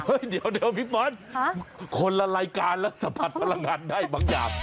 เดี๋ยวพี่บอลคนละรายการแล้วสัมผัสพลังงานได้บางอย่าง